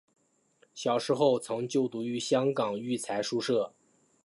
小时候曾就读于香港育才书社。